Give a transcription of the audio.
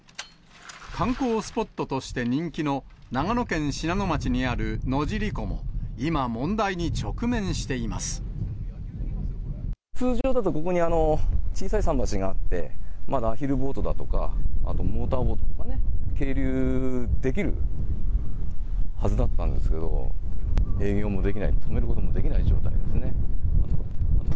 観光スポットとして人気の長野県信濃町にある野尻湖も、今、通常だと、ここに小さい桟橋があって、アヒルボートだとか、あとモーターボートとかね、係留できるはずだったんですけど、営業もできない状態ですね。